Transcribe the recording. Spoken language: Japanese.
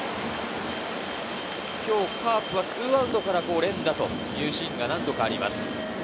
今日カープは２アウトから連打というシーンが何度かあります。